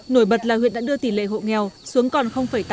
nổi bật là huyện đã đưa tỷ lệ hộ nghèo xuống còn tám mươi hai